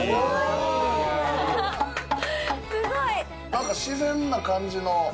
何か自然な感じの。